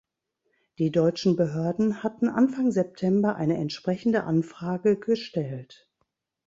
Die deutschen Behörden hatten Anfang September eine entsprechende Anfrage gestellt.